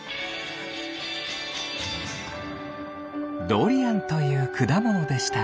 ドリアンというくだものでした。